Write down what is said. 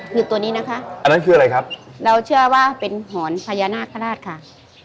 คือตัวนี้นะคะอันนั้นคืออะไรครับเราเชื่อว่าเป็นหอนพญานาคาราชค่ะ